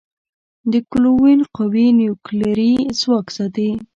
د ګلوون قوي نیوکلیري ځواک ساتي.